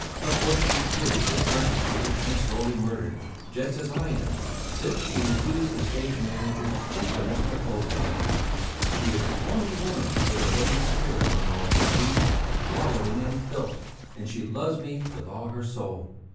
Of course she, too, is persecuted and slowly murdered, just as I am, since she refused the stage manager's infamous proposals. She is the only woman with a living spirit among all these beasts, wallowing in filth, and she loves me with all her soul.